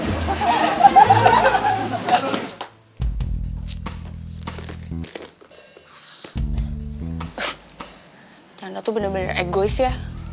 rencana tuh bener bener egois ya